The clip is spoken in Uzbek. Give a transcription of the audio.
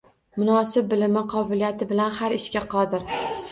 Munosib – bilimi, qobiliyati bilan har ishga qodir.